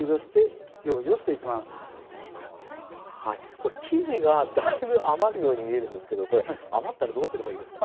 これ生地がだいぶ余るように見えるんですけどこれ余ったらどうすればいいですか？